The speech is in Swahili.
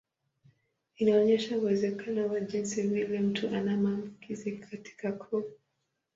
Inaonyesha uwezekano wa jinsi vile mtu ana maambukizi katika koo.